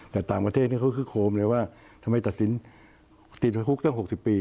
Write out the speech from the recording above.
แต่ต่างประเทศเขาคือโคมเลยว่าทำไมตัดสินติดคุกตั้ง๖๐ปี